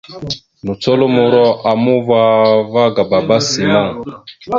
Nùcolomoro a uma ava ga baba simon.